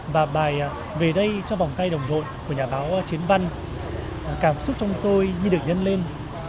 và bài về đây cho vòng tay đồng đội của nhà báo chiến văn cảm xúc trong tôi như được nhân lên